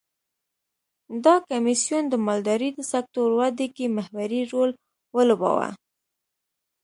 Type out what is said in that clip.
دا کمېسیون د مالدارۍ د سکتور ودې کې محوري رول ولوباوه.